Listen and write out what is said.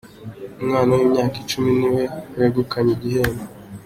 Umwana w’imyaka icumi ni we wegukanye igihembo